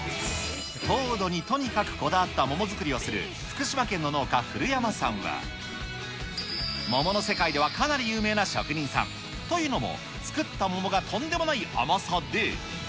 糖度にとにかくこだわった桃作りをする、福島県の農家、古山さんは、桃の世界ではかなり有名な職人さん、というのも、作った桃がとんでもない甘さで。